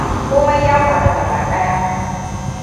Komai ya faru gaba daya.